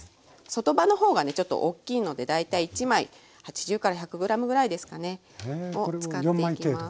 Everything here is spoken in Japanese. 外葉の方がねちょっと大きいので大体１枚８０１００ｇぐらいですかね。を使っていきます。